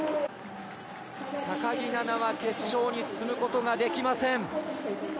高木菜那は決勝に進むことができません。